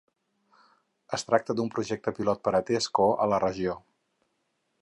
Es tracta d'un projecte pilot per a Tesco a la regió.